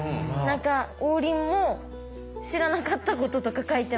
王林も知らなかったこととか書いてます。